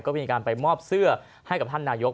ก็มีการไปมอบเสื้อให้กับท่านนายก